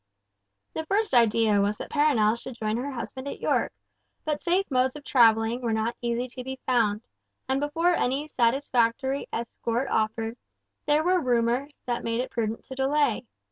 The first idea was that Perronel should join her husband at York, but safe modes of travelling were not easy to be found, and before any satisfactory escort offered, there were rumours that made it prudent to delay.